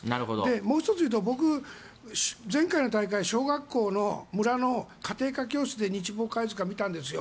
もう１ついうと僕、前回の大会小学校の村の家庭科教室で見たんですよ。